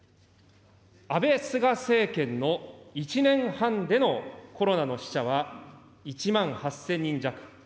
安倍・菅政権の１年半でのコロナの死者は１万８０００人弱。